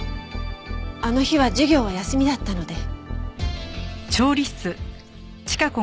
あの日は授業は休みだったので。